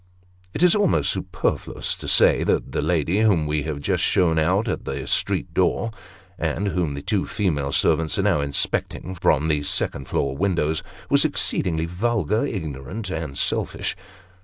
It is almost superfluous to say, that the lady whom we have just shown out at the street door (and whom the two female servants are now inspecting from the second floor windows) was exceedingly vulgar, ignorant, and selfish.